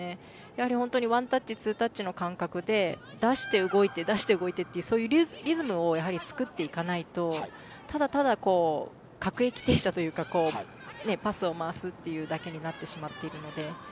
やはり本当にワンタッチ、ツータッチの感覚で出して動いて、出して動いてというリズムを作っていかないとただただ各駅停車というかパスを回すというだけになってしまっているので。